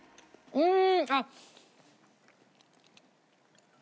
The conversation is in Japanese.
うん！